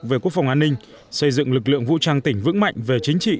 về quốc phòng an ninh xây dựng lực lượng vũ trang tỉnh vững mạnh về chính trị